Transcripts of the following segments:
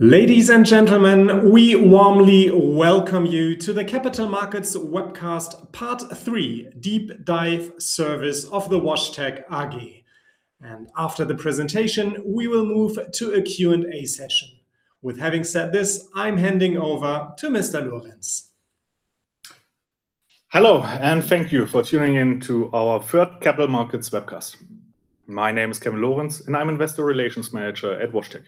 Ladies and gentlemen, we warmly welcome you to the Capital Markets Webcast part three, deep dive service of the WashTec AG. After the presentation, we will move to a Q&A session. With having said this, I'm handing over to Mr. Lorenz. Hello, and thank you for tuning in to our third Capital Markets webcast. My name is Kevin Lorenz, and I'm Investor Relations Manager at WashTec.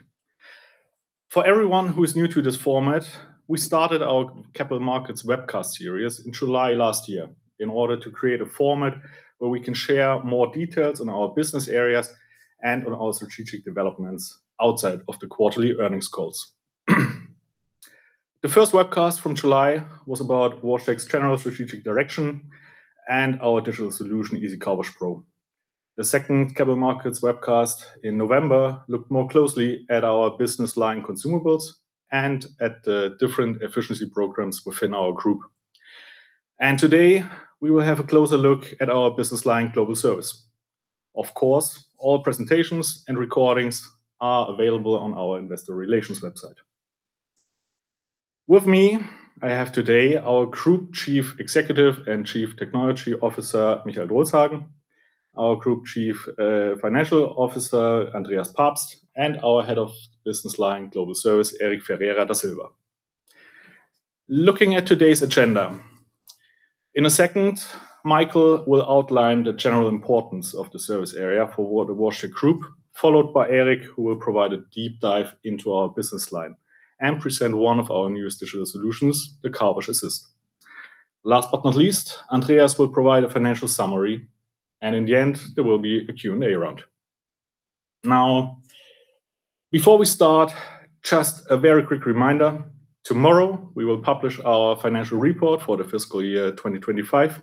For everyone who is new to this format, we started our Capital Markets webcast series in July last year in order to create a format where we can share more details on our business areas and on our strategic developments outside of the quarterly earnings calls. The first webcast from July was about WashTec's general strategic direction and our digital solution, EasyCarWash PRO. The second Capital Markets webcast in November looked more closely at our business line consumables and at the different efficiency programs within our group. Today, we will have a closer look at our business line Global Service. Of course, all presentations and recordings are available on our investor relations website. With me, I have today our Group Chief Executive and Chief Technology Officer, Michael Drolshagen, our Group Chief Financial Officer, Andreas Pabst, and our Head of Business Line Global Service, Eric Ferreira da Silva. Looking at today's agenda. In a second, Michael will outline the general importance of the service area for the WashTec Group, followed by Eric, who will provide a deep dive into our business line and present one of our newest digital solutions, the CarWash Assist. Last but not least, Andreas will provide a financial summary, and in the end, there will be a Q&A round. Now, before we start, just a very quick reminder, tomorrow we will publish our financial report for the fiscal year 2025.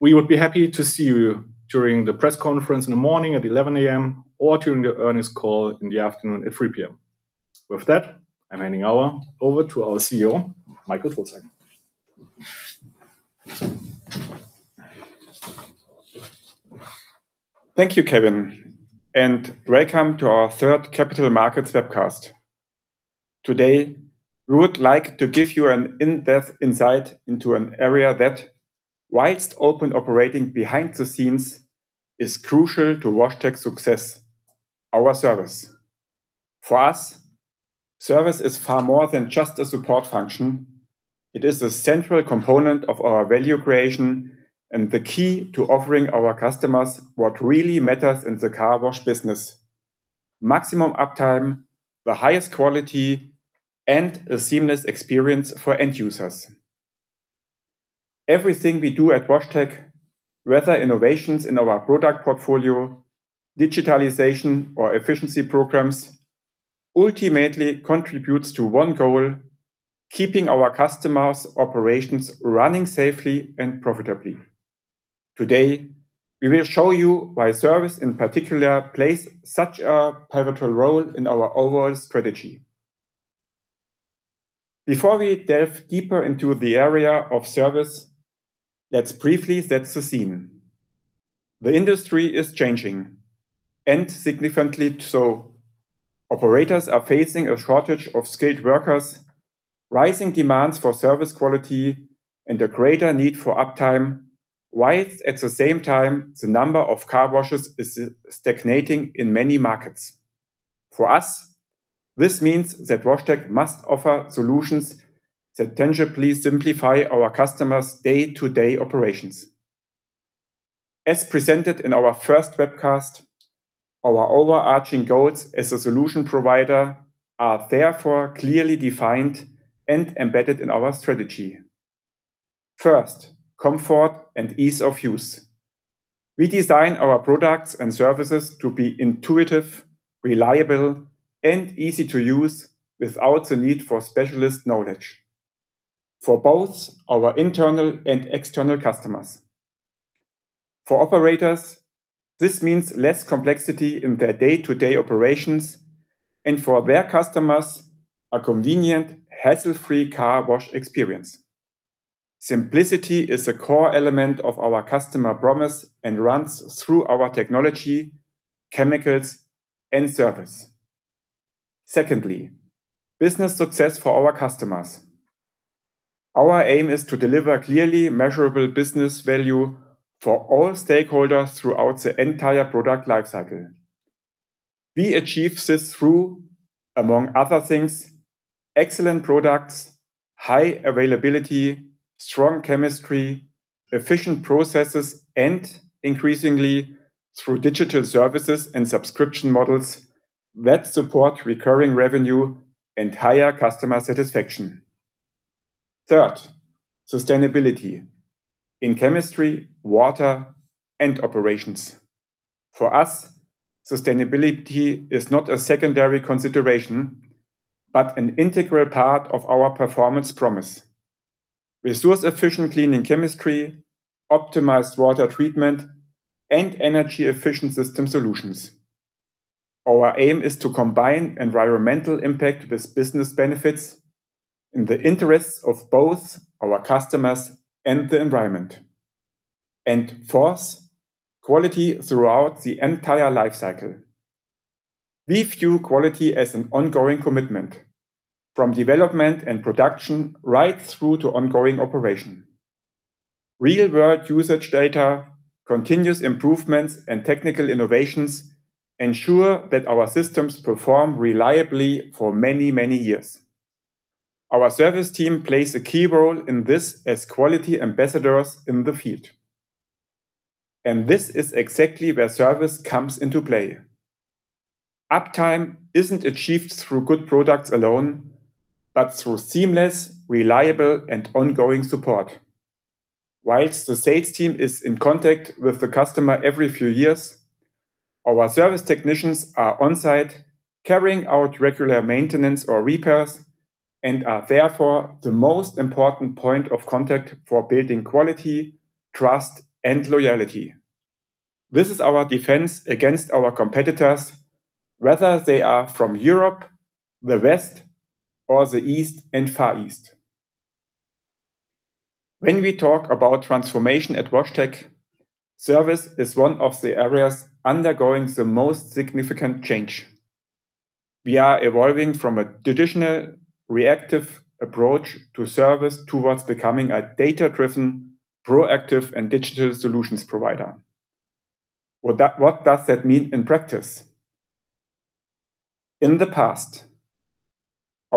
We would be happy to see you during the press conference in the morning at 11:00 A.M. or during the earnings call in the afternoon at 3:00 P.M. With that, I'm handing over to our CEO, Michael Drolshagen. Thank you, Kevin, and welcome to our third Capital Markets webcast. Today, we would like to give you an in-depth insight into an area that, while operating behind the scenes, is crucial to WashTec's success, our service. For us, service is far more than just a support function. It is the central component of our value creation and the key to offering our customers what really matters in the car wash business: maximum uptime, the highest quality, and a seamless experience for end users. Everything we do at WashTec, whether innovations in our product portfolio, digitalization or efficiency programs, ultimately contributes to one goal, keeping our customers' operations running safely and profitably. Today, we will show you why service, in particular, plays such a pivotal role in our overall strategy. Before we delve deeper into the area of service, let's briefly set the scene. The industry is changing, and significantly so. Operators are facing a shortage of skilled workers, rising demands for service quality, and a greater need for uptime, whilst at the same time, the number of car washes is stagnating in many markets. For us, this means that WashTec must offer solutions that tangibly simplify our customers' day-to-day operations. As presented in our first webcast, our overarching goals as a solution provider are therefore clearly defined and embedded in our strategy. First, comfort and ease of use. We design our products and services to be intuitive, reliable, and easy to use without the need for specialist knowledge for both our internal and external customers. For operators, this means less complexity in their day-to-day operations and for their customers, a convenient, hassle-free car wash experience. Simplicity is a core element of our customer promise and runs through our technology, chemicals, and service. Secondly, business success for our customers. Our aim is to deliver clearly measurable business value for all stakeholders throughout the entire product lifecycle. We achieve this through, among other things, excellent products, high availability, strong chemistry, efficient processes, and increasingly, through digital services and subscription models that support recurring revenue and higher customer satisfaction. Third, sustainability in chemistry, water, and operations. For us, sustainability is not a secondary consideration, but an integral part of our performance promise. Resource-efficient cleaning chemistry, optimized water treatment, and energy-efficient system solutions. Our aim is to combine environmental impact with business benefits in the interests of both our customers and the environment. Fourth, quality throughout the entire life cycle. We view quality as an ongoing commitment from development and production right through to ongoing operation. Real-world usage data, continuous improvements, and technical innovations ensure that our systems perform reliably for many, many years. Our service team plays a key role in this as quality ambassadors in the field. This is exactly where service comes into play. Uptime isn't achieved through good products alone, but through seamless, reliable, and ongoing support. While the sales team is in contact with the customer every few years, our service technicians are on-site carrying out regular maintenance or repairs and are therefore the most important point of contact for building quality, trust, and loyalty. This is our defense against our competitors, whether they are from Europe, the West, or the East and Far East. When we talk about transformation at WashTec, service is one of the areas undergoing the most significant change. We are evolving from a traditional reactive approach to service towards becoming a data-driven, proactive, and digital solutions provider. What does that mean in practice? In the past,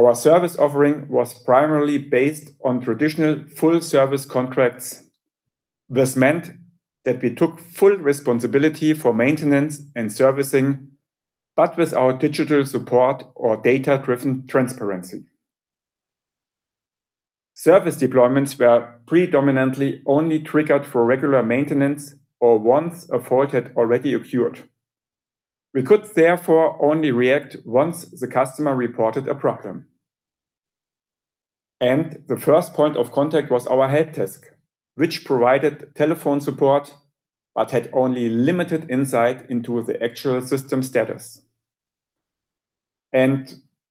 our service offering was primarily based on traditional full-service contracts. This meant that we took full responsibility for maintenance and servicing, but with our digital support or data-driven transparency. Service deployments were predominantly only triggered for regular maintenance or once a fault had already occurred. We could therefore only react once the customer reported a problem. The first point of contact was our HelpDesk, which provided telephone support but had only limited insight into the actual system status.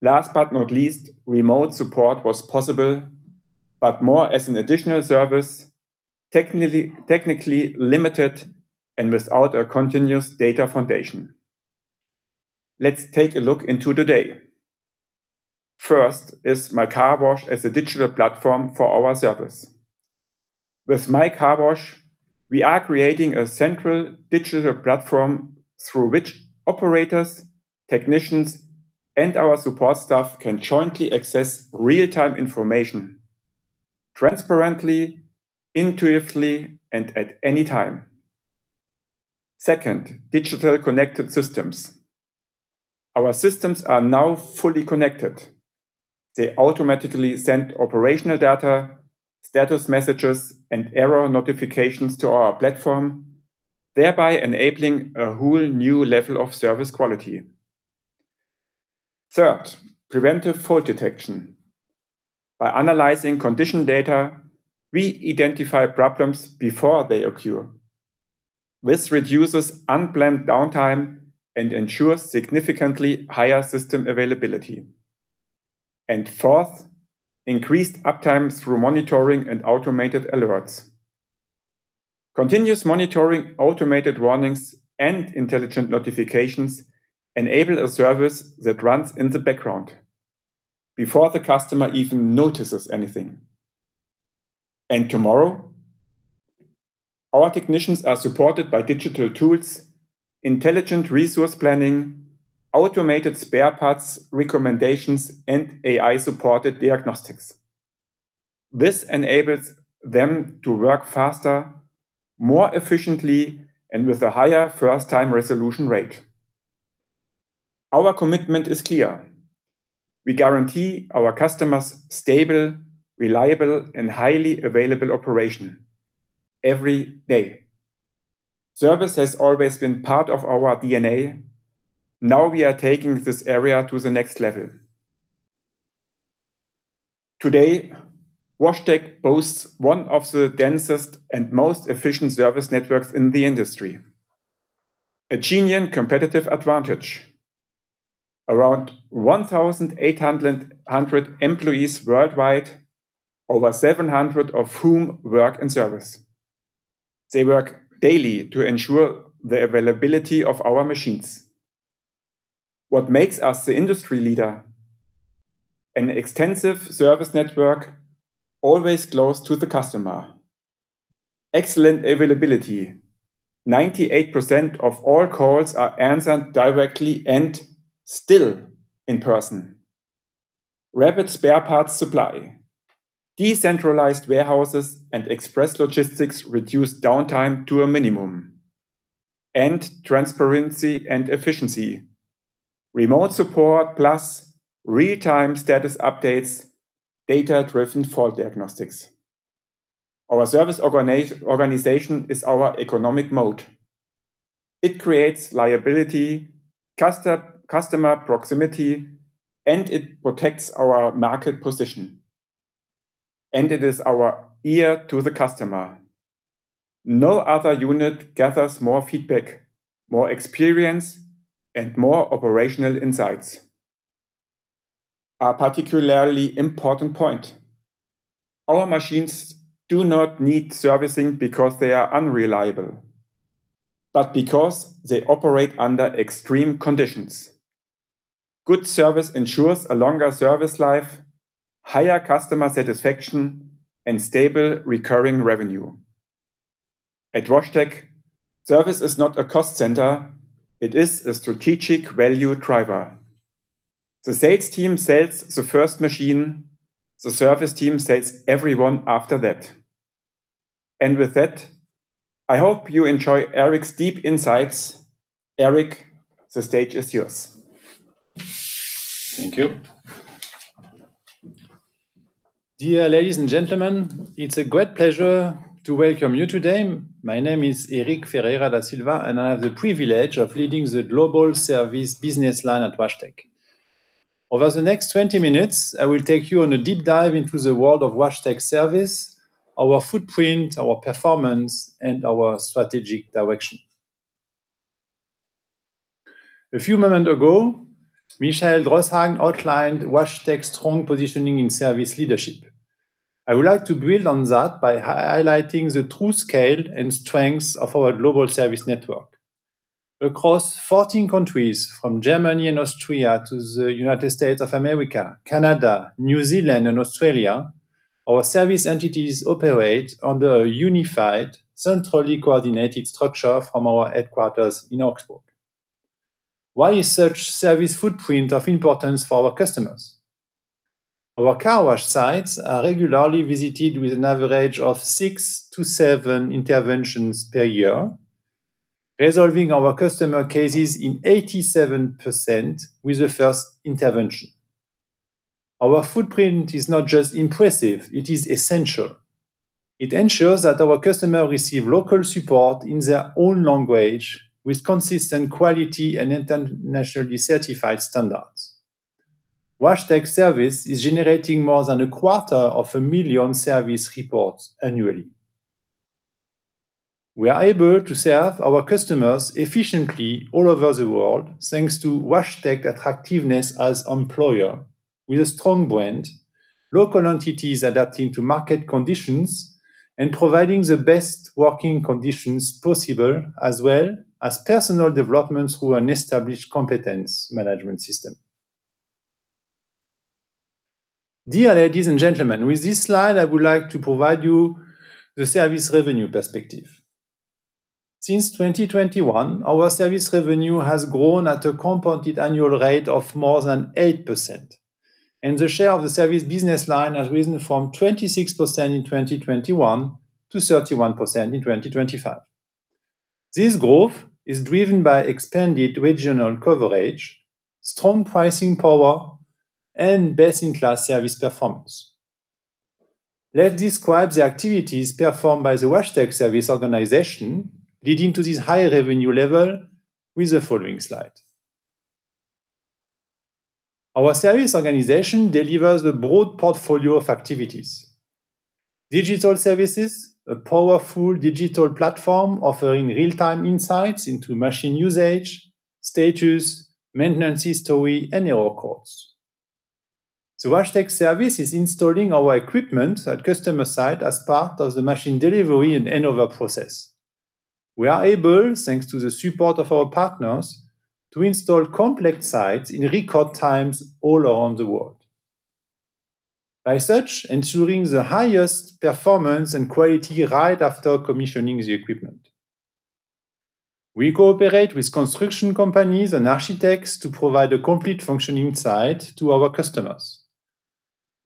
Last but not least, remote support was possible, but more as an additional service, technically limited and without a continuous data foundation. Let's take a look into today. First is mywashtec.com as a digital platform for our service. With mywashtec.com, we are creating a central digital platform through which operators, technicians, and our support staff can jointly access real-time information transparently, intuitively, and at any time. Second, digital connected systems. Our systems are now fully connected. They automatically send operational data, status messages, and error notifications to our platform, thereby enabling a whole new level of service quality. Third, preventive fault detection. By analyzing condition data, we identify problems before they occur. This reduces unplanned downtime and ensures significantly higher system availability. Fourth, increased uptime through monitoring and automated alerts. Continuous monitoring, automated warnings, and intelligent notifications enable a service that runs in the background before the customer even notices anything. Tomorrow, our technicians are supported by digital tools, intelligent resource planning, automated spare parts recommendations, and AI-supported diagnostics. This enables them to work faster, more efficiently, and with a higher first-time resolution rate. Our commitment is clear. We guarantee our customers stable, reliable, and highly available operation every day. Service has always been part of our DNA. Now we are taking this area to the next level. Today, WashTec boasts one of the densest and most efficient service networks in the industry. A genuine competitive advantage. Around 1,800 employees worldwide, over 700 of whom work in service. They work daily to ensure the availability of our machines. What makes us the industry leader? An extensive service network always close to the customer. Excellent availability. 98% of all calls are answered directly and still in person. Rapid spare parts supply. Decentralized warehouses and express logistics reduce downtime to a minimum. Transparency and efficiency. Remote support plus real-time status updates, data-driven fault diagnostics. Our service organization is our economic moat. It creates liability, custom-customer proximity, and it protects our market position. It is our ear to the customer. No other unit gathers more feedback, more experience, and more operational insights. A particularly important point. Our machines do not need servicing because they are unreliable, but because they operate under extreme conditions. Good service ensures a longer service life, higher customer satisfaction, and stable recurring revenue. At WashTec, service is not a cost center, it is a strategic value driver. The sales team sells the first machine, the service team sells every one after that. With that, I hope you enjoy Eric's deep insights. Eric, the stage is yours. Thank you. Dear ladies and gentlemen, it's a great pleasure to welcome you today. My name is Eric Ferreira da Silva, and I have the privilege of leading the global service business line at WashTec. Over the next 20 minutes, I will take you on a deep dive into the world of WashTec service, our footprint, our performance, and our strategic direction. A few moments ago, Michael Drolshagen outlined WashTec's strong positioning in service leadership. I would like to build on that by highlighting the true scale and strengths of our global service network. Across 14 countries, from Germany and Austria to the United States of America, Canada, New Zealand and Australia, our service entities operate under a unified, centrally coordinated structure from our headquarters in Augsburg. Why is such service footprint of importance for our customers? Our car wash sites are regularly visited with an average of six-seven interventions per year, resolving our customer cases in 87% with the first intervention. Our footprint is not just impressive, it is essential. It ensures that our customers receive local support in their own language with consistent quality and internationally certified standards. WashTec service is generating more than a quarter of a million service reports annually. We are able to serve our customers efficiently all over the world thanks to WashTec attractiveness as employer with a strong brand, local entities adapting to market conditions, and providing the best working conditions possible as well as personal development through an established competence management system. Dear ladies and gentlemen, with this slide, I would like to provide you the service revenue perspective. Since 2021, our service revenue has grown at a compounded annual rate of more than 8%, and the share of the service business line has risen from 26% in 2021 to 31% in 2025. This growth is driven by expanded regional coverage, strong pricing power, and best-in-class service performance. Let's describe the activities performed by the WashTec service organization leading to this high revenue level with the following slide. Our service organization delivers a broad portfolio of activities. Digital services, a powerful digital platform offering real-time insights into machine usage, status, maintenance history, and error codes. The WashTec service is installing our equipment at customer site as part of the machine delivery and handover process. We are able, thanks to the support of our partners, to install complex sites in record times all around the world. By such, ensuring the highest performance and quality right after commissioning the equipment. We cooperate with construction companies and architects to provide a complete functioning site to our customers.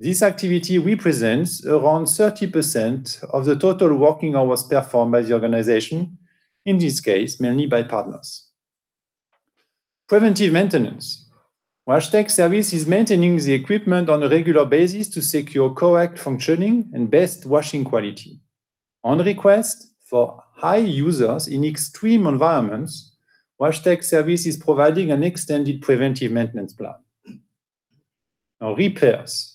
This activity represents around 30% of the total working hours performed by the organization, in this case, mainly by partners. Preventive maintenance. WashTec service is maintaining the equipment on a regular basis to secure correct functioning and best washing quality. On request for high users in extreme environments, WashTec service is providing an extended preventive maintenance plan. Now, repairs.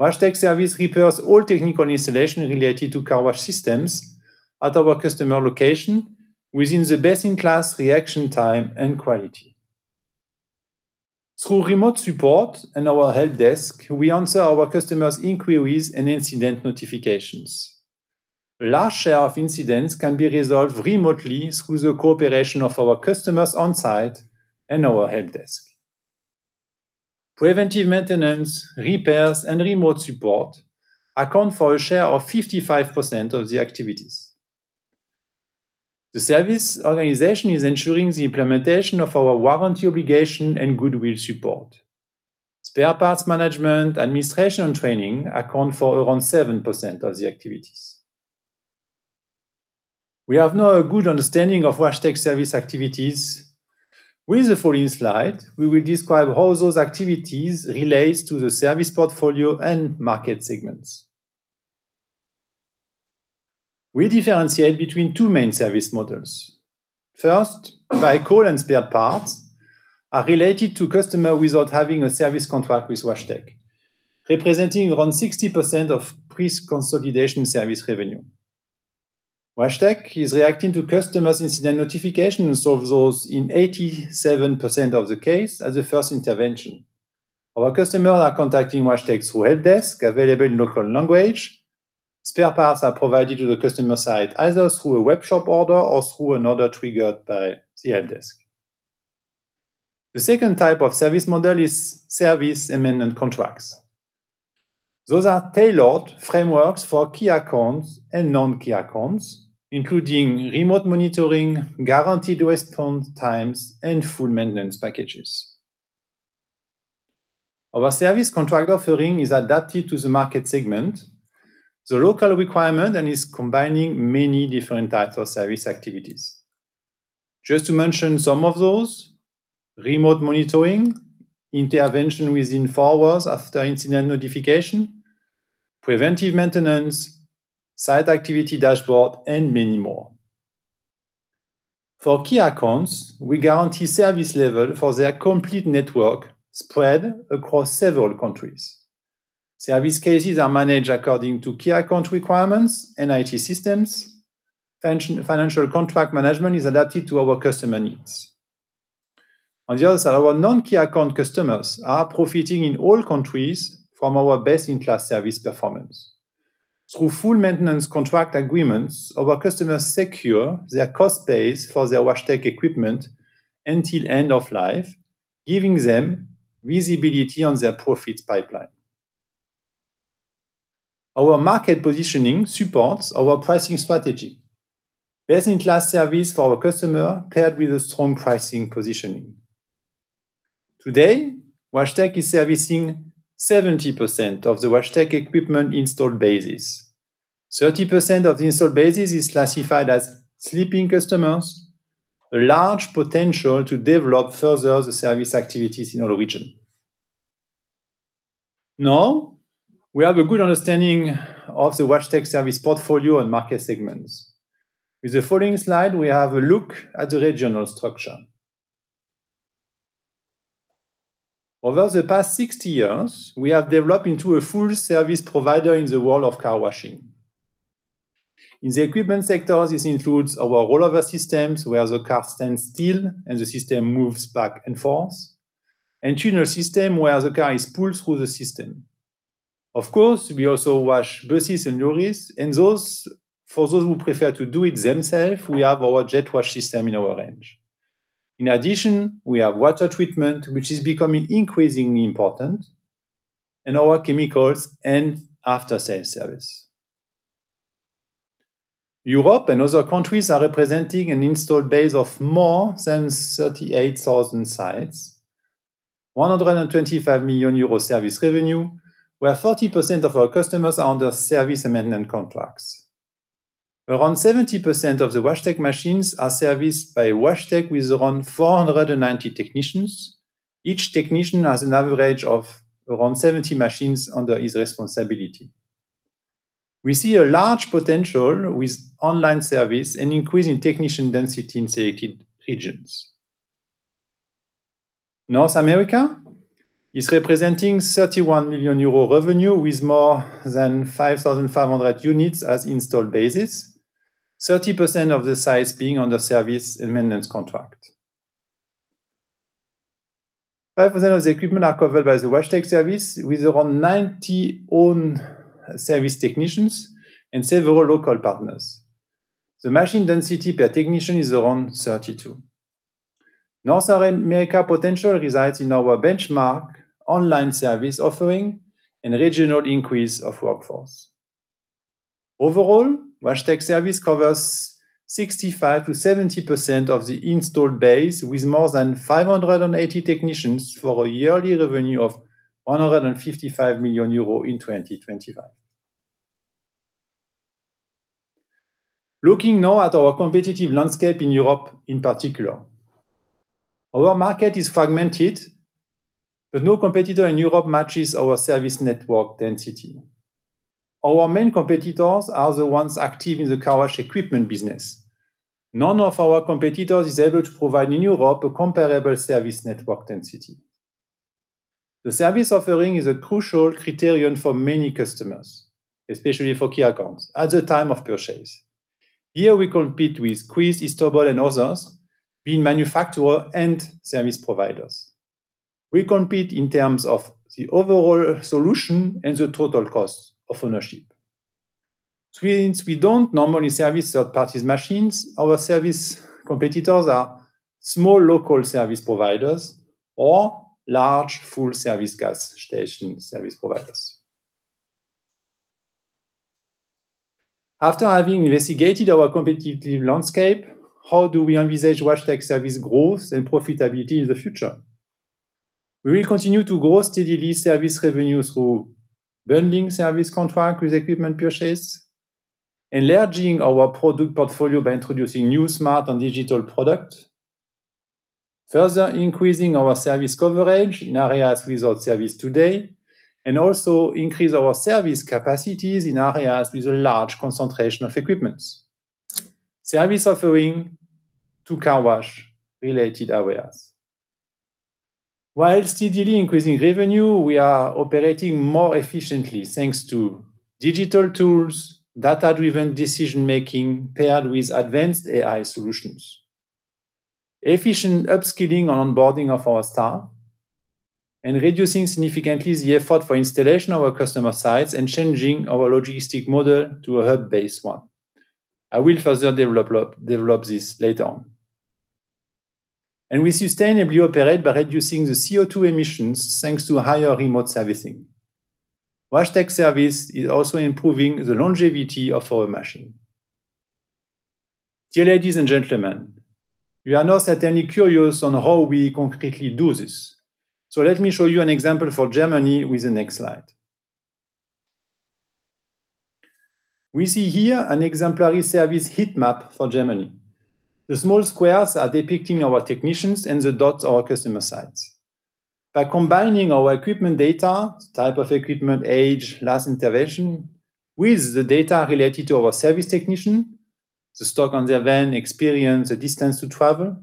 WashTec service repairs all technical installation related to car wash systems at our customer location within the best-in-class reaction time and quality. Through remote support and our HelpDesk, we answer our customers' inquiries and incident notifications. Large share of incidents can be resolved remotely through the cooperation of our customers on-site and our HelpDesk. Preventive maintenance, repairs, and remote support account for a share of 55% of the activities. The service organization is ensuring the implementation of our warranty obligation and goodwill support. Spare parts management, administration, and training account for around 7% of the activities. We have now a good understanding of WashTec service activities. With the following slide, we will describe how those activities relate to the service portfolio and market segments. We differentiate between two main service models. First, vehicle and spare parts are related to customer without having a service contract with WashTec, representing around 60% of pre-consolidation service revenue. WashTec is reacting to customers' incident notification and solve those in 87% of the case as a first intervention. Our customer are contacting WashTec through HelpDesk, available in local language. Spare parts are provided to the customer site, either through a webshop order or through an order triggered by the HelpDesk. The second type of service model is service amendment contracts. Those are tailored frameworks for key accounts and non-key accounts, including remote monitoring, guaranteed response times, and full maintenance packages. Our service contract offering is adapted to the market segment, the local requirement, and is combining many different types of service activities. Just to mention some of those, remote monitoring, intervention within four hours after incident notification, preventive maintenance, site activity dashboard, and many more. For key accounts, we guarantee service level for their complete network spread across several countries. Service cases are managed according to key account requirements and IT systems. Financial contract management is adapted to our customer needs. On the other side, our non-key account customers are profiting in all countries from our best-in-class service performance. Through full maintenance contract agreements, our customers secure their cost base for their WashTec equipment until end of life, giving them visibility on their profits pipeline. Our market positioning supports our pricing strategy. Best-in-class service for our customer paired with a strong pricing positioning. Today, WashTec is servicing 70% of the WashTec equipment installed bases. 30% of the installed bases is classified as sleeping customers, a large potential to develop further the service activities in our region. Now, we have a good understanding of the WashTec service portfolio and market segments. With the following slide, we have a look at the regional structure. Over the past 60 years, we have developed into a full service provider in the world of car washing. In the equipment sector, this includes our rollover systems, where the car stands still and the system moves back and forth, and tunnel system where the car is pulled through the system. Of course, we also wash buses and lorries for those who prefer to do it themselves, we have our jet wash system in our range. In addition, we have water treatment, which is becoming increasingly important, and our chemicals and after sales service. Europe and other countries are representing an installed base of more than 38,000 sites. 125 million euro service revenue, where 40% of our customers are under service amendment contracts. Around 70% of the WashTec machines are serviced by WashTec with around 490 technicians. Each technician has an average of around 70 machines under his responsibility. We see a large potential with online service and increase in technician density in selected regions. North America is representing 31 million euro revenue, with more than 5,500 units as installed bases, 30% of the sites being under service and maintenance contract. 5% of the equipment are covered by the WashTec service, with around 90 own service technicians and several local partners. The machine density per technician is around 32. North America potential resides in our benchmark online service offering and regional increase of workforce. Overall, WashTec service covers 65%-70% of the installed base, with more than 580 technicians for a yearly revenue of 155 million euro in 2025. Looking now at our competitive landscape in Europe in particular. Our market is fragmented, but no competitor in Europe matches our service network density. Our main competitors are the ones active in the car wash equipment business. None of our competitors is able to provide in Europe a comparable service network density. The service offering is a crucial criterion for many customers, especially for key accounts, at the time of purchase. Here we compete with Christ, Istobal and others, being manufacturer and service providers. We compete in terms of the overall solution and the total cost of ownership. Since we don't normally service third parties' machines, our service competitors are small local service providers or large full-service gas station service providers. After having investigated our competitive landscape, how do we envisage WashTec service growth and profitability in the future? We will continue to grow steadily service revenue through bundling service contract with equipment purchase, enlarging our product portfolio by introducing new smart and digital product, further increasing our service coverage in areas without service today, and also increase our service capacities in areas with a large concentration of equipments. Service offering to car wash-related areas. While steadily increasing revenue, we are operating more efficiently thanks to digital tools, data-driven decision-making paired with advanced AI solutions, efficient upskilling and onboarding of our staff, and reducing significantly the effort for installation of our customer sites and changing our logistic model to a hub-based one. I will further develop this later on. We sustainably operate by reducing the CO₂ emissions, thanks to higher remote servicing. WashTec service is also improving the longevity of our machine. Dear ladies and gentlemen, you are now certainly curious on how we concretely do this. Let me show you an example for Germany with the next slide. We see here an exemplary service heat map for Germany. The small squares are depicting our technicians and the dots are customer sites. By combining our equipment data, type of equipment, age, last intervention, with the data related to our service technician, the stock on their van, experience, the distance to travel,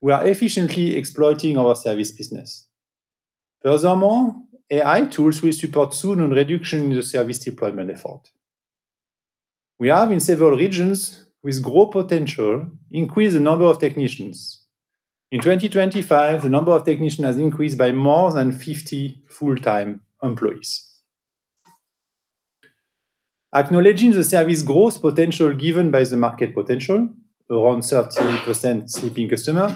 we are efficiently exploiting our service business. Furthermore, AI tools will support soon on reduction in the service deployment effort. We have in several regions with growth potential increased the number of technicians. In 2025, the number of technicians has increased by more than 50 full-time employees. Acknowledging the service growth potential given by the market potential, around 30% sleeping customer,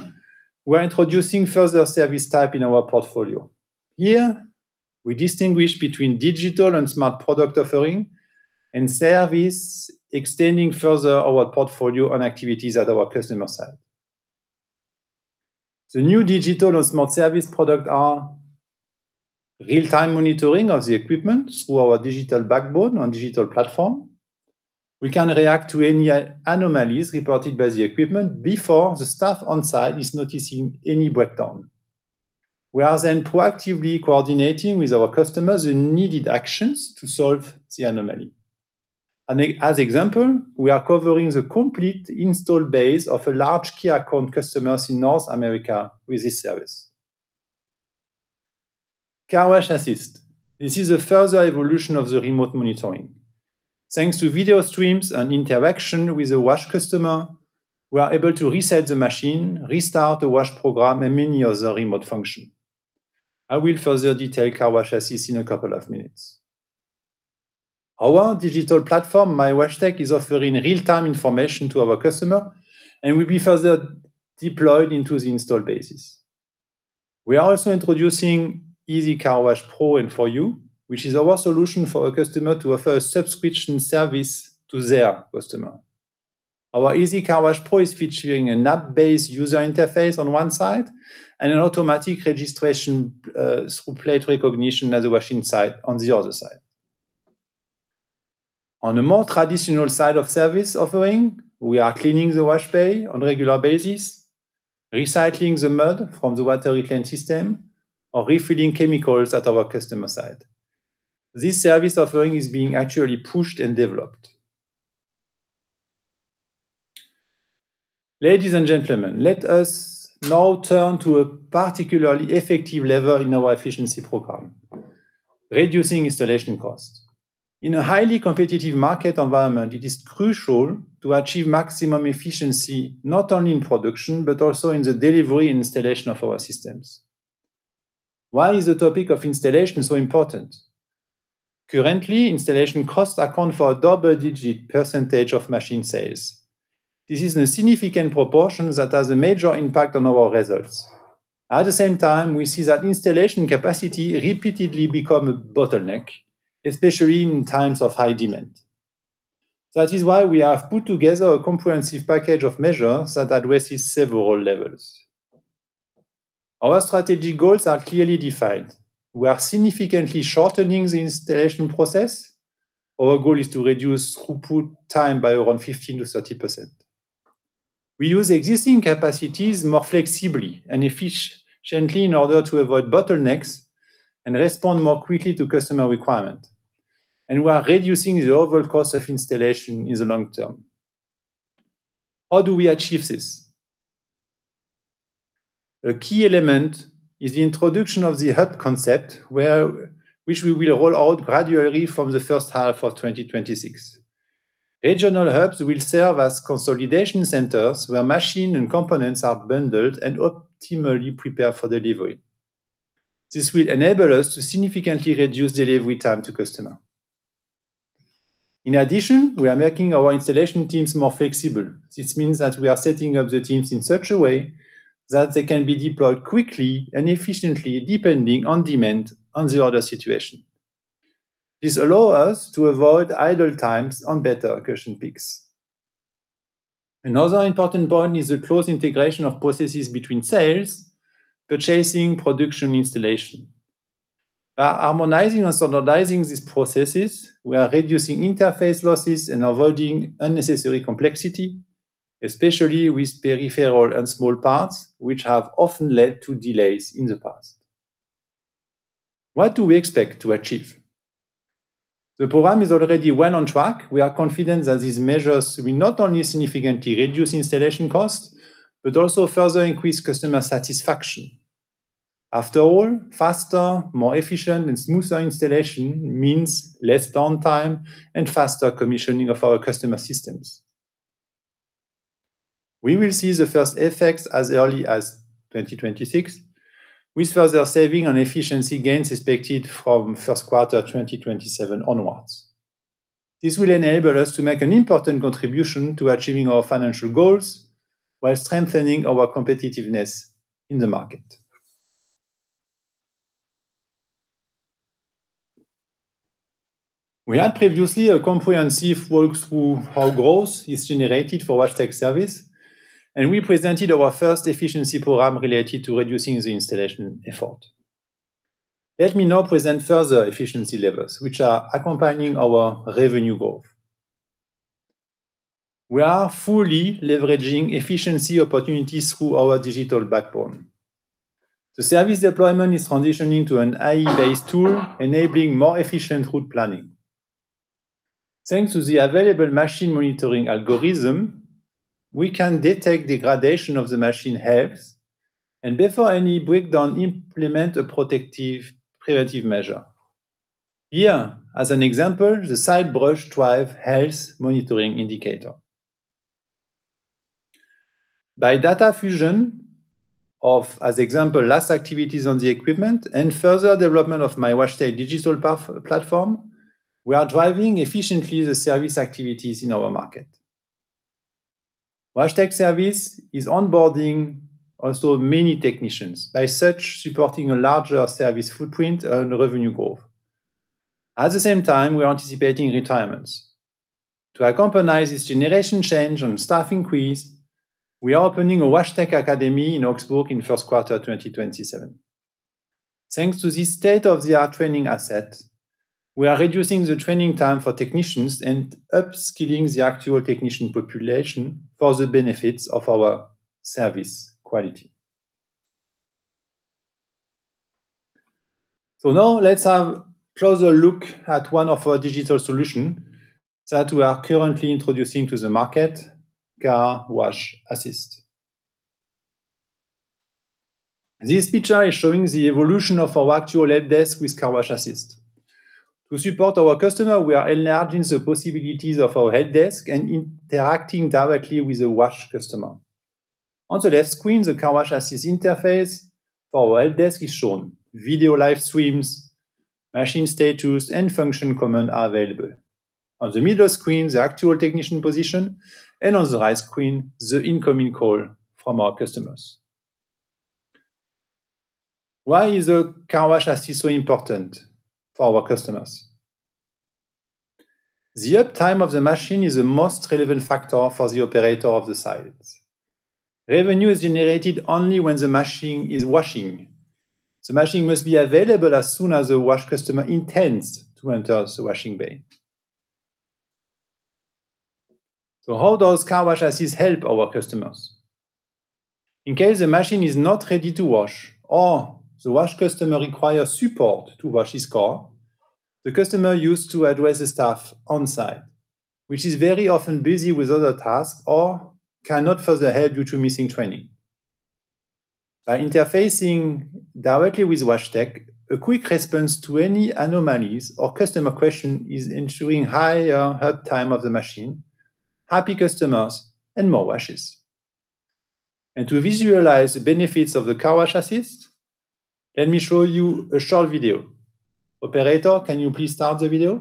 we're introducing further service type in our portfolio. Here, we distinguish between digital and smart product offering and service extending further our portfolio and activities at our customer side. The new digital and smart service product are real-time monitoring of the equipment through our digital backbone on digital platform. We can react to any anomalies reported by the equipment before the staff on-site is noticing any breakdown. We are then proactively coordinating with our customers the needed actions to solve the anomaly. As an example, we are covering the complete installed base of a large key account customers in North America with this service. CarWash Assist. This is a further evolution of the remote monitoring. Thanks to video streams and interaction with the wash customer, we are able to reset the machine, restart the wash program, and many other remote functions. I will further detail CarWash Assist in a couple of minutes. Our digital platform, mywashtec.com, is offering real-time information to our customer and will be further deployed into the install bases. We are also introducing EasyCarWash PRO and For You, which is our solution for a customer to offer subscription service to their customer. Our EasyCarWash PRO is featuring an app-based user interface on one side and an automatic registration through plate recognition at the washing site on the other side. On a more traditional side of service offering, we are cleaning the wash bay on a regular basis, recycling the mud from the water reclaim system, or refilling chemicals at our customer site. This service offering is being actually pushed and developed. Ladies and gentlemen, let us now turn to a particularly effective lever in our efficiency program: reducing installation costs. In a highly competitive market environment, it is crucial to achieve maximum efficiency, not only in production, but also in the delivery and installation of our systems. Why is the topic of installation so important? Currently, installation costs account for a double-digit percentage of machine sales. This is a significant proportion that has a major impact on our results. At the same time, we see that installation capacity repeatedly become a bottleneck, especially in times of high demand. That is why we have put together a comprehensive package of measures that addresses several levels. Our strategic goals are clearly defined. We are significantly shortening the installation process. Our goal is to reduce throughput time by around 15%-30%. We use existing capacities more flexibly and efficiently in order to avoid bottlenecks and respond more quickly to customer requirement. We are reducing the overall cost of installation in the long term. How do we achieve this? A key element is the introduction of the hub concept which we will roll out gradually from the first half of 2026. Regional hubs will serve as consolidation centers where machine and components are bundled and optimally prepared for delivery. This will enable us to significantly reduce delivery time to customer. In addition, we are making our installation teams more flexible. This means that we are setting up the teams in such a way that they can be deployed quickly and efficiently, depending on demand and the order situation. This allow us to avoid idle times on better occasion peaks. Another important point is the close integration of processes between sales, purchasing, production, installation. By harmonizing and standardizing these processes, we are reducing interface losses and avoiding unnecessary complexity, especially with peripheral and small parts, which have often led to delays in the past. What do we expect to achieve? The program is already well on track. We are confident that these measures will not only significantly reduce installation costs, but also further increase customer satisfaction. After all, faster, more efficient, and smoother installation means less downtime and faster commissioning of our customer systems. We will see the first effects as early as 2026 with further saving and efficiency gains expected from first quarter 2027 onwards. This will enable us to make an important contribution to achieving our financial goals while strengthening our competitiveness in the market. We had previously a comprehensive walk through how growth is generated for WashTec service, and we presented our first efficiency program related to reducing the installation effort. Let me now present further efficiency levels, which are accompanying our revenue growth. We are fully leveraging efficiency opportunities through our digital backbone. The service deployment is transitioning to an AI-based tool, enabling more efficient route planning. Thanks to the available machine monitoring algorithm, we can detect the degradation of the machine health, and before any breakdown, implement a protective preventive measure. Here, as an example, the side brush drive health monitoring indicator. By data fusion of, as example, last activities on the equipment and further development of myWashTec digital platform, we are driving efficiently the service activities in our market. WashTec service is onboarding also many technicians. By such, supporting a larger service footprint and revenue growth. At the same time, we are anticipating retirements. To accompany this generation change and staff increase, we are opening a WashTec Academy in Augsburg in first quarter 2027. Thanks to this state-of-the-art training asset, we are reducing the training time for technicians and upskilling the actual technician population for the benefits of our service quality. Now let's have closer look at one of our digital solution that we are currently introducing to the market, CarWash Assist. This picture is showing the evolution of our actual HelpDesk with CarWash Assist. To support our customer, we are enlarging the possibilities of our HelpDesk and interacting directly with the wash customer. On the left screen, the CarWash Assist interface for HelpDesk is shown. Video live streams, machine status, and function command are available. On the middle screen, the actual technician position, and on the right screen, the incoming call from our customers. Why is the CarWash Assist so important for our customers? The uptime of the machine is the most relevant factor for the operator of the site. Revenue is generated only when the machine is washing. The machine must be available as soon as the wash customer intends to enter the washing bay. How does CarWash Assist help our customers? In case the machine is not ready to wash or the wash customer requires support to wash his car, the customer used to address the staff on site, which is very often busy with other tasks or cannot further help due to missing training. By interfacing directly with WashTec, a quick response to any anomalies or customer question is ensuring higher uptime of the machine, happy customers, and more washes. To visualize the benefits of the CarWash Assist, let me show you a short video. Operator, can you please start the video?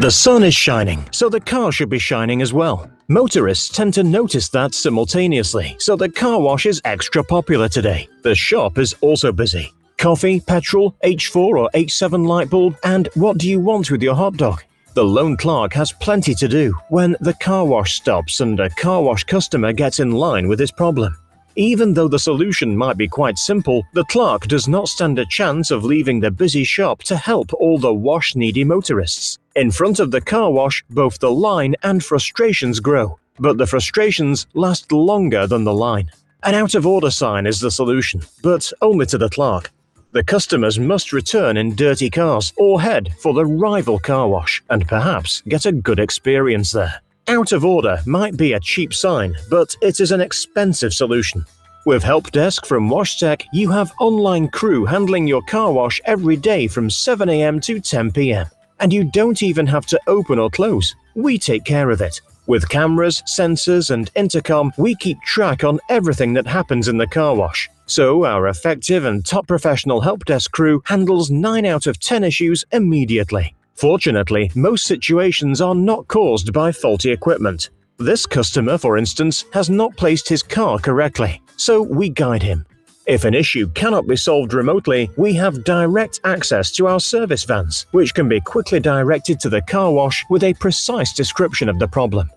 The sun is shining, so the car should be shining as well. Motorists tend to notice that simultaneously, so the car wash is extra popular today. The shop is also busy. Coffee, gasoline, H4 or H7 light bulb, and what do you want with your hot dog? The lone clerk has plenty to do when the car wash stops and a car wash customer gets in line with this problem. Even though the solution might be quite simple, the clerk does not stand a chance of leaving the busy shop to help all the wash-needy motorists. In front of the car wash, both the line and frustrations grow, but the frustrations last longer than the line. An out of order sign is the solution, but only to the clerk. The customers must return in dirty cars or head for the rival car wash and perhaps get a good experience there. Out of order might be a cheap sign, but it is an expensive solution. With HelpDesk from WashTec, you have online crew handling your car wash every day from 7:00 A.M. to 10:00 P.M., and you don't even have to open or close. We take care of it. With cameras, sensors, and intercom, we keep track of everything that happens in the car wash. Our effective and top professional HelpDesk crew handles nine out of ten issues immediately. Fortunately, most situations are not caused by faulty equipment. This customer, for instance, has not placed his car correctly, so we guide him. If an issue cannot be solved remotely, we have direct access to our service vans, which can be quickly directed to the car wash with a precise description of the problem.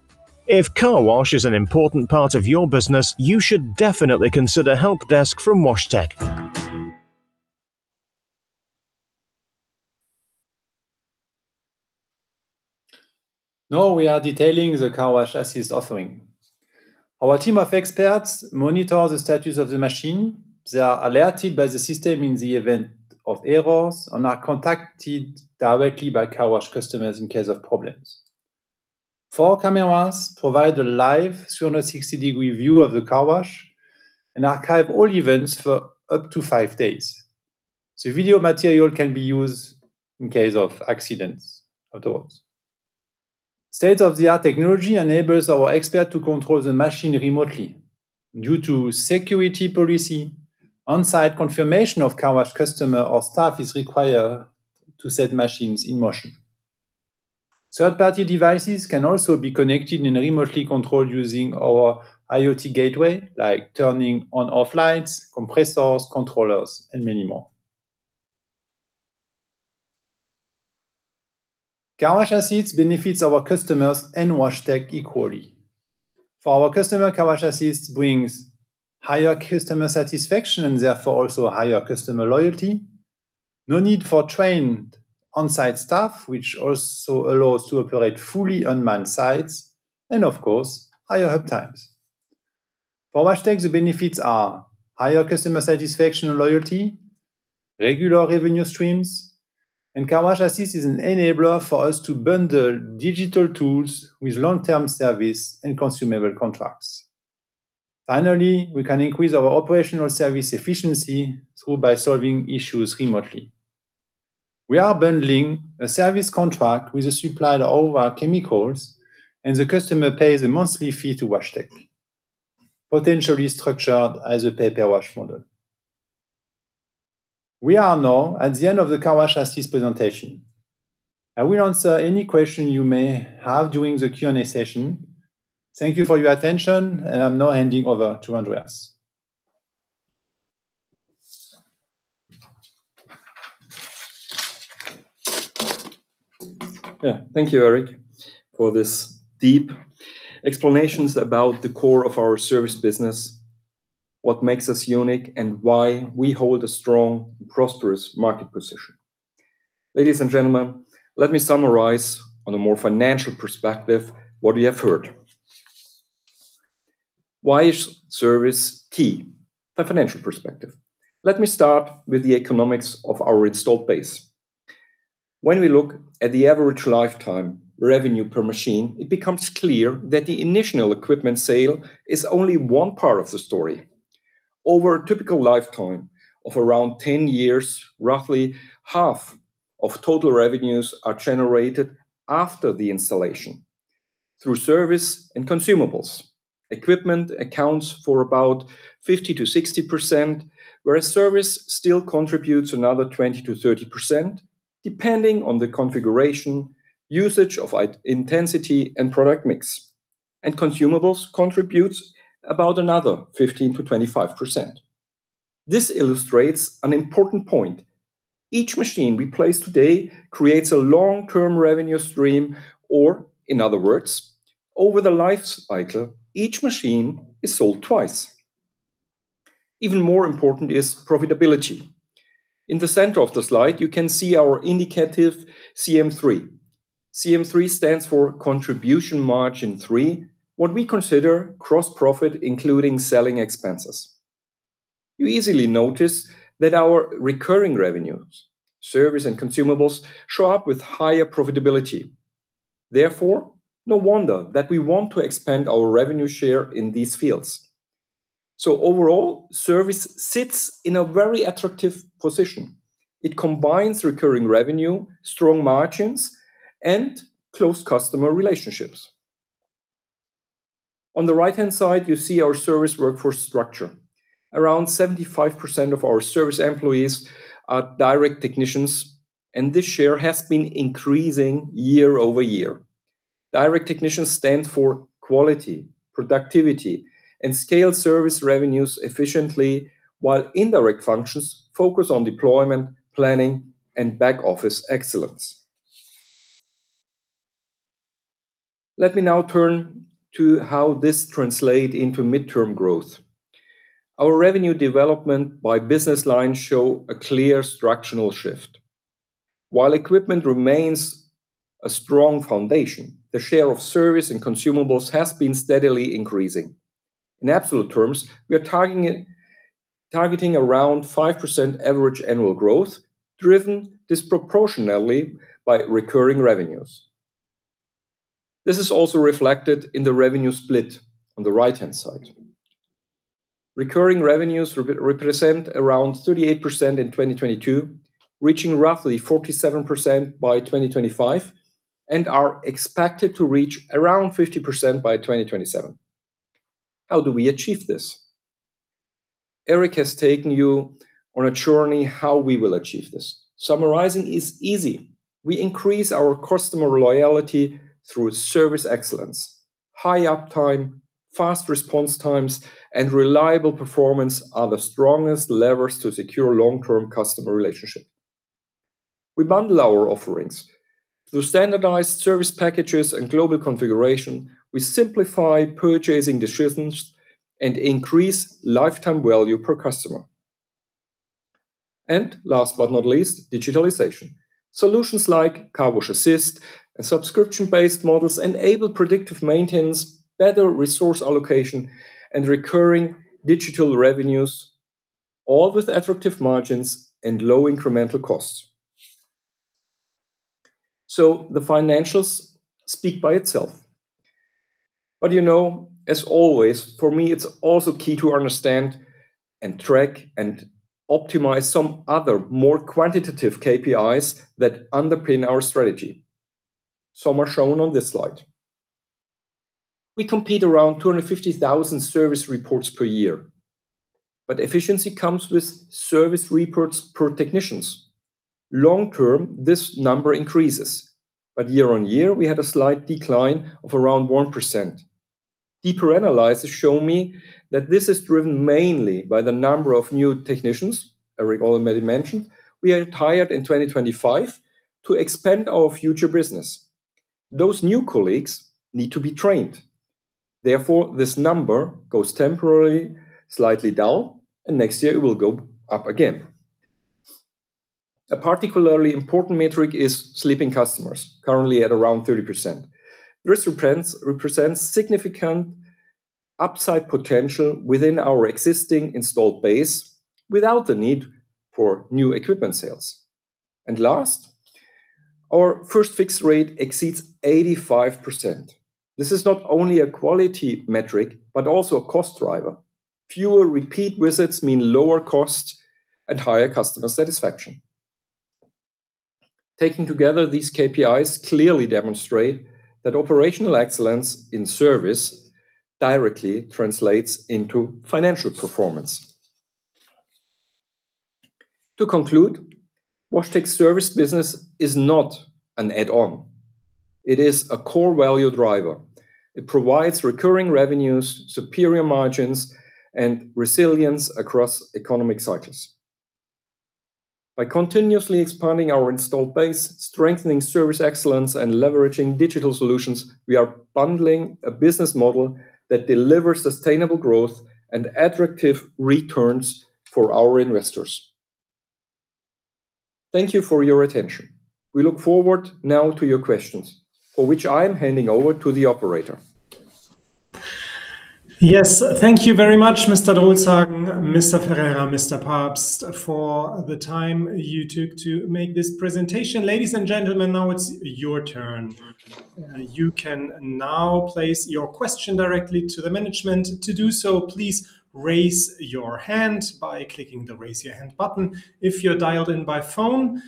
If car wash is an important part of your business, you should definitely consider HelpDesk from WashTec. We are detailing the CarWash Assist offering. Our team of experts monitor the status of the machine. They are alerted by the system in the event of errors and are contacted directly by car wash customers in case of problems. Four cameras provide a live 360-degree view of the car wash and archive all events for up to five days. Video material can be used in case of accidents afterwards. State-of-the-art technology enables our expert to control the machine remotely. Due to security policy, on-site confirmation of car wash customer or staff is required to set machines in motion. Third-party devices can also be connected and remotely controlled using our IoT Gateway, like turning on/off lights, compressors, controllers and many more. CarWash Assist benefits our customers and WashTec equally. For our customer, CarWash Assist brings higher customer satisfaction and therefore also higher customer loyalty, no need for trained on-site staff, which also allows to operate fully unmanned sites and of course, higher hub times. For WashTec, the benefits are higher customer satisfaction and loyalty, regular revenue streams, and CarWash Assist is an enabler for us to bundle digital tools with long-term service and consumable contracts. Finally, we can increase our operational service efficiency thereby solving issues remotely. We are bundling a service contract with the supply of all our chemicals, and the customer pays a monthly fee to WashTec, potentially structured as a pay-per-wash model. We are now at the end of the CarWash Assist presentation. I will answer any question you may have during the Q&A session. Thank you for your attention, and I'm now handing over to Andreas. Yeah. Thank you, Eric, for this deep explanations about the core of our service business, what makes us unique, and why we hold a strong, prosperous market position. Ladies and gentlemen, let me summarize on a more financial perspective what we have heard. Why is service key? The financial perspective. Let me start with the economics of our installed base. When we look at the average lifetime revenue per machine, it becomes clear that the initial equipment sale is only one part of the story. Over a typical lifetime of around 10 years, roughly half of total revenues are generated after the installation through service and consumables. Equipment accounts for about 50%-60%, whereas service still contributes another 20%-30%, depending on the configuration, usage of intensity and product mix. Consumables contributes about another 15%-25%. This illustrates an important point. Each machine we place today creates a long-term revenue stream, or in other words, over the life cycle, each machine is sold twice. Even more important is profitability. In the center of the slide, you can see our indicative CM3. CM3 stands for Contribution Margin 3, what we consider gross profit, including selling expenses. You easily notice that our recurring revenues, service and consumables, show up with higher profitability. Therefore, no wonder that we want to expand our revenue share in these fields. Overall, service sits in a very attractive position. It combines recurring revenue, strong margins, and close customer relationships. On the right-hand side, you see our service workforce structure. Around 75% of our service employees are direct technicians, and this share has been increasing year-over-year. Direct technicians stand for quality, productivity and scale service revenues efficiently, while indirect functions focus on deployment, planning and back office excellence. Let me now turn to how this translate into midterm growth. Our revenue development by business line show a clear structural shift. While equipment remains a strong foundation, the share of service and consumables has been steadily increasing. In absolute terms, we are targeting around 5% average annual growth, driven disproportionately by recurring revenues. This is also reflected in the revenue split on the right-hand side. Recurring revenues represent around 38% in 2022, reaching roughly 47% by 2025, and are expected to reach around 50% by 2027. How do we achieve this? Eric has taken you on a journey how we will achieve this. Summarizing is easy. We increase our customer loyalty through service excellence, high uptime, fast response times, and reliable performance, are the strongest levers to secure long-term customer relationship. We bundle our offerings. Through standardized service packages and global configuration, we simplify purchasing decisions and increase lifetime value per customer. Last but not least, digitalization. Solutions like CarWash Assist and subscription-based models enable predictive maintenance, better resource allocation, and recurring digital revenues, all with attractive margins and low incremental costs. The financials speak by itself. You know, as always, for me, it's also key to understand and track and optimize some other more quantitative KPIs that underpin our strategy. Some are shown on this slide. We complete around 250,000 service reports per year, but efficiency comes with service reports per technicians. Long term, this number increases, but year-on-year, we had a slight decline of around 1%. Deeper analysis show me that this is driven mainly by the number of new technicians, Eric already mentioned, we have hired in 2025 to expand our future business. Those new colleagues need to be trained. Therefore, this number goes temporarily slightly down, and next year it will go up again. A particularly important metric is sleeping customers, currently at around 30%. This represents significant upside potential within our existing installed base without the need for new equipment sales. Last, our first-fix rate exceeds 85%. This is not only a quality metric, but also a cost driver. Fewer repeat visits mean lower cost and higher customer satisfaction. Taking together, these KPIs clearly demonstrate that operational excellence in service directly translates into financial performance. To conclude, WashTec service business is not an add-on. It is a core value driver. It provides recurring revenues, superior margins, and resilience across economic cycles. By continuously expanding our installed base, strengthening service excellence, and leveraging digital solutions, we are bundling a business model that delivers sustainable growth and attractive returns for our investors. Thank you for your attention. We look forward now to your questions, for which I am handing over to the operator. Yes. Thank you very much, Mr. Drolshagen, Mr. Ferreira, Mr. Pabst, for the time you took to make this presentation. Ladies and gentlemen, now it's your turn. You can now place your question directly to the management. To do so, please raise your hand by clicking the Raise Your Hand button. If you're dialed in by phone,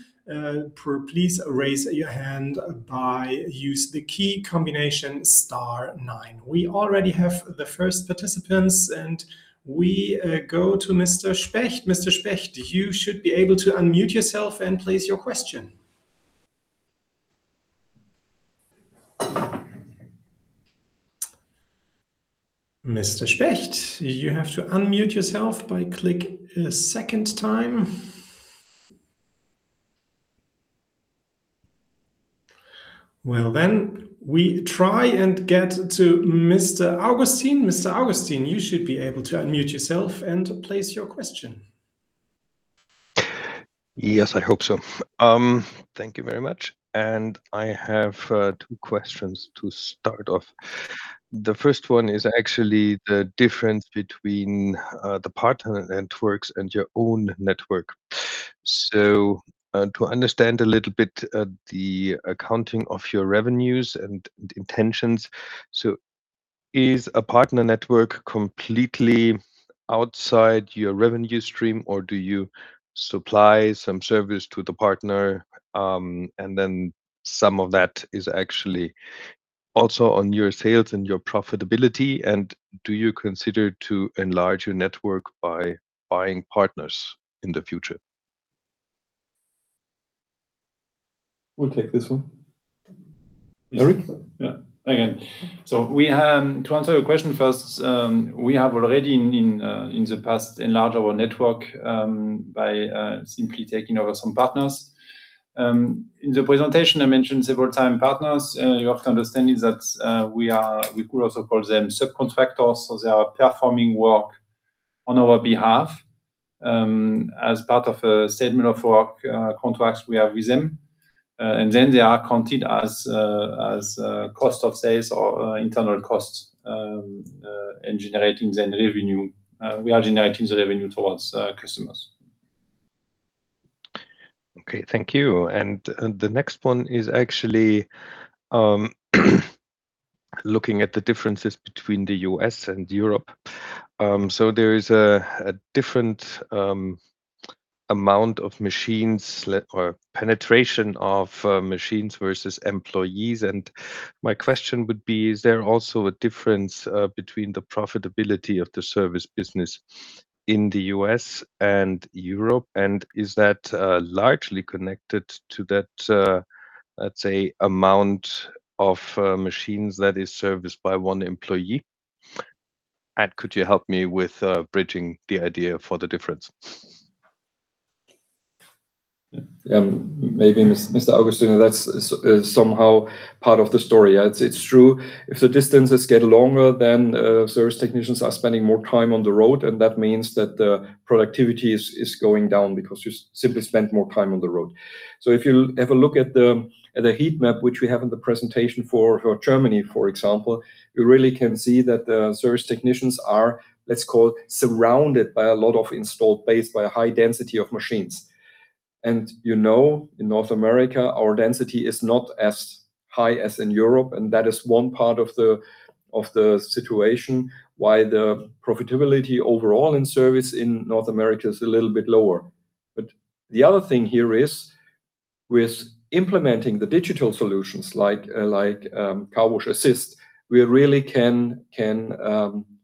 please raise your hand by using the key combination star nine. We already have the first participants, and we go to Mr. Specht. Mr. Specht, you should be able to unmute yourself and place your question. Mr. Specht, you have to unmute yourself by clicking a second time. Well, then, we try and get to Mr. Augustin. Mr. Augustin, you should be able to unmute yourself and place your question. Yes, I hope so. Thank you very much. I have two questions to start off. The first one is actually the difference between the partner networks and your own network. To understand a little bit the accounting of your revenues and intentions. Is a partner network completely outside your revenue stream, or do you supply some service to the partner, and then some of that is actually also on your sales and your profitability? Do you consider to enlarge your network by buying partners in the future? We'll take this one. Eric? To answer your question first, we have already in the past enlarged our network by simply taking over some partners. In the presentation, I mentioned several times partners. You have to understand is that we could also call them subcontractors. They are performing work on our behalf as part of a statement of work contracts we have with them. Then they are counted as cost of sales or internal costs and generating then revenue. We are generating the revenue toward customers. Okay. Thank you. The next one is actually looking at the differences between the U.S. and Europe. There is a different amount of machines or penetration of machines versus employees. My question would be, is there also a difference between the profitability of the service business in the U.S. and Europe? Is that largely connected to that, let's say, amount of machines that is serviced by one employee? Could you help me with bridging the idea for the difference? Maybe Mr. Augustin, that's somehow part of the story. Yeah, it's true. If the distances get longer, then service technicians are spending more time on the road, and that means that the productivity is going down because you simply spend more time on the road. If you have a look at the heat map, which we have in the presentation for Germany, for example, you really can see that the service technicians are, let's call, surrounded by a lot of installed base, by a high density of machines. You know, in North America, our density is not as high as in Europe, and that is one part of the situation why the profitability overall in service in North America is a little bit lower. The other thing here is, with implementing the digital solutions like CarWash Assist, we really can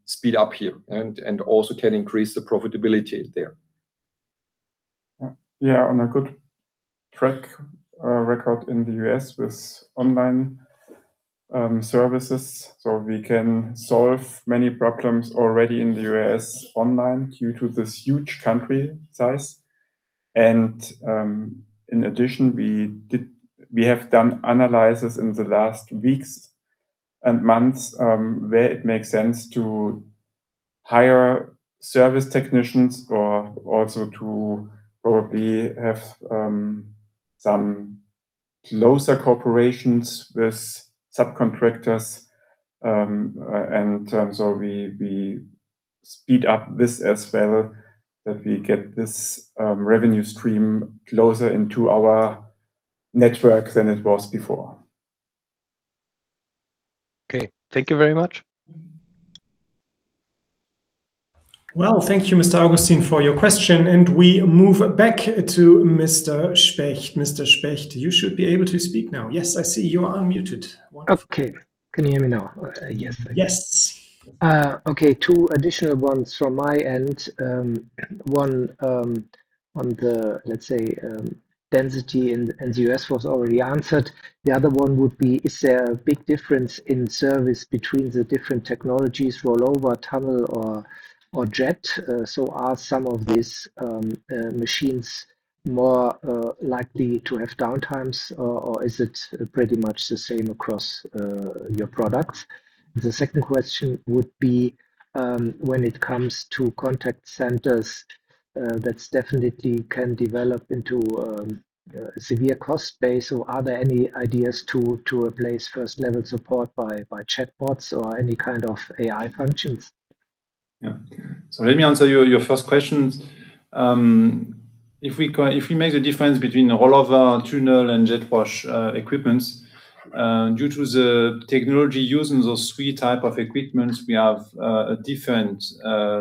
speed up here and also can increase the profitability there. Yeah, yeah, on a good track record in the U.S. with online services. We can solve many problems already in the U.S. online due to this huge country size. In addition, we have done analysis in the last weeks and months where it makes sense to hire service technicians or also to probably have some closer cooperation with subcontractors. We speed up this as well, that we get this revenue stream closer into our network than it was before. Okay. Thank you very much. Well, thank you, Mr. Augustin, for your question, and we move back to Mr. Specht. Mr. Specht, you should be able to speak now. Yes, I see you are unmuted. Wonderful. Okay. Can you hear me now? Yes. Okay. Two additional ones from my end. One on the, let's say, density in the U.S. was already answered. The other one would be, is there a big difference in service between the different technologies, rollover, tunnel or jet? So are some of these machines more likely to have downtimes or is it pretty much the same across your products? The second question would be, when it comes to contact centers, that definitely can develop into severe cost base. Are there any ideas to replace first-level support by chatbots or any kind of AI functions? Yeah. Let me answer your first questions. If we make the difference between rollover, tunnel, and jet wash equipments, due to the technology used in those three type of equipments, we have a different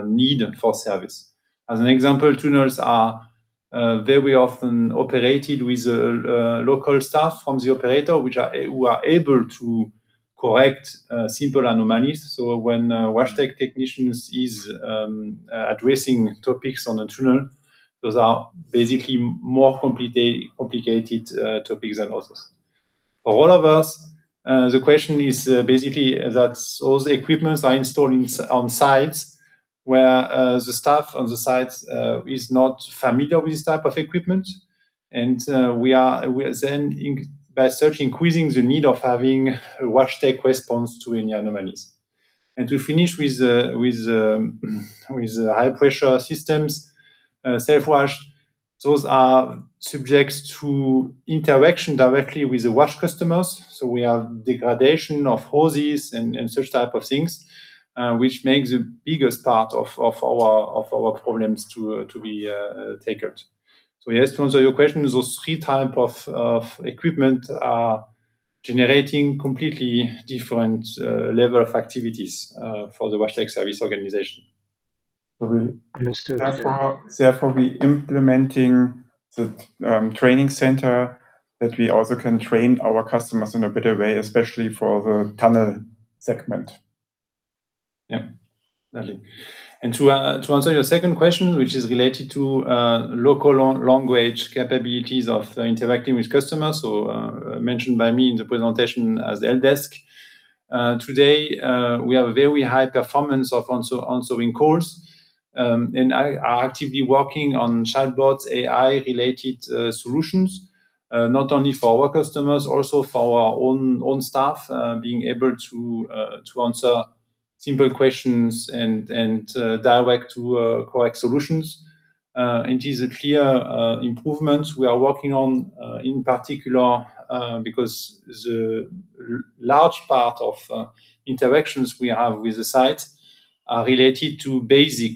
need for service. As an example, tunnels are very often operated with local staff from the operator, who are able to correct simple anomalies. When a WashTec technician is addressing topics on a tunnel, those are basically more complicated topics than others. For rollovers, the question is basically that all the equipments are installed on sites where the staff on the sites is not familiar with this type of equipment, and we are then impacted by such increasing the need of having a WashTec response to any anomalies. To finish with the high-pressure systems, self-wash, those are subject to interaction directly with the wash customers. We have degradation of hoses and such type of things, which makes the biggest part of our problems to be taken. Yes, to answer your question, those three types of equipment are generating completely different level of activities for the WashTec service organization. Understood. Therefore, we implementing the training center that we also can train our customers in a better way, especially for the tunnel segment. Yeah. Lovely. To answer your second question, which is related to local long-range capabilities of interacting with customers or mentioned by me in the presentation as HelpDesk. Today we have very high performance of answering calls, and we are actively working on chatbots, AI-related solutions, not only for our customers, also for our own staff, being able to answer simple questions and direct to correct solutions. This is a clear improvement we are working on in particular because the large part of interactions we have with the site are related to basic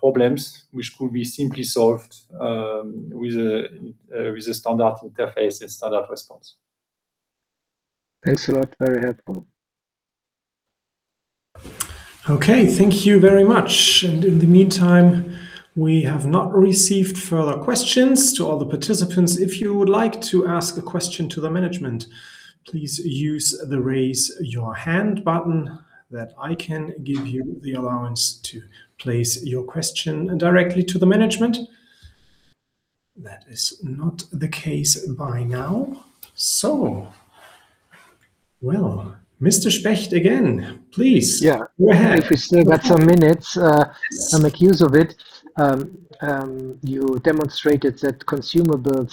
problems, which could be simply solved with a standard interface and standard response. Thanks a lot. Very helpful. Okay. Thank you very much. In the meantime, we have not received further questions. To all the participants, if you would like to ask a question to the management, please use the Raise Your Hand button that I can give you the allowance to place your question directly to the management. That is not the case by now. Well, Mr. Specht again, please. Yeah. Go ahead. If we still got some minutes, I make use of it. You demonstrated that consumables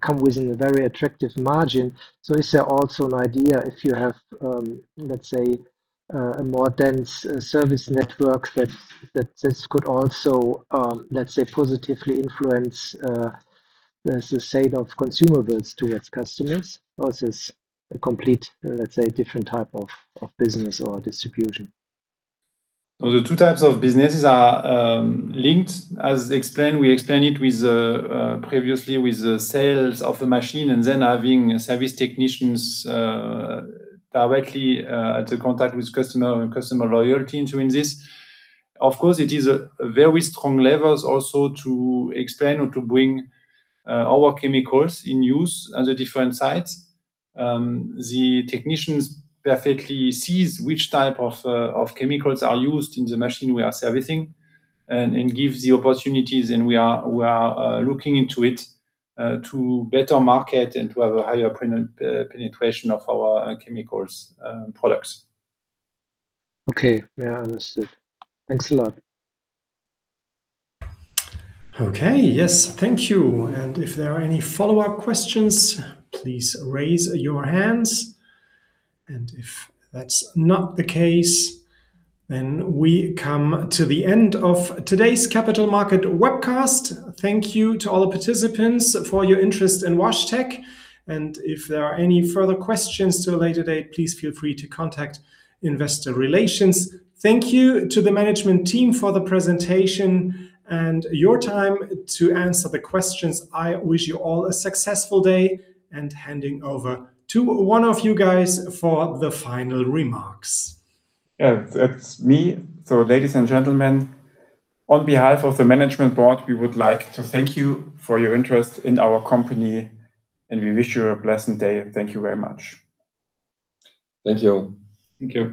come within a very attractive margin. Is there also an idea if you have, let's say, a more dense service network that could also, let's say, positively influence the sale of consumables towards customers? Or is this a complete, let's say, different type of business or distribution? Well, the two types of businesses are linked. As explained, we explained it with previously with the sales of the machine and then having service technicians directly to contact with customer and customer loyalty in this. Of course, it is a very strong levels also to expand or to bring our chemicals in use at the different sites. The technicians perfectly sees which type of of chemicals are used in the machine we are servicing and gives the opportunities, and we are looking into it to better market and to have a higher penetration of our chemicals products. Okay. Yeah, understood. Thanks a lot. Okay. Yes. Thank you. If there are any follow-up questions, please raise your hands. If that's not the case, then we come to the end of today's Capital Market Webcast. Thank you to all the participants for your interest in WashTec. If there are any further questions at a later date, please feel free to contact investor relations. Thank you to the management team for the presentation and your time to answer the questions. I wish you all a successful day and handing over to one of you guys for the final remarks. Yeah, that's me. Ladies and gentlemen, on behalf of the management board, we would like to thank you for your interest in our company, and we wish you a pleasant day. Thank you very much. Thank you. Thank you.